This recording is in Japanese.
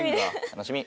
楽しみ。